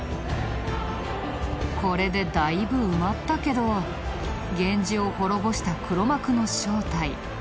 これでだいぶ埋まったけど源氏を滅ぼした黒幕の正体わかってきたかな？